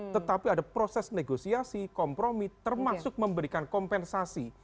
tetapi ada proses negosiasi kompromi termasuk memberikan kompensasi